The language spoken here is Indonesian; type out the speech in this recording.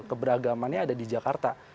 keberagamannya ada di jakarta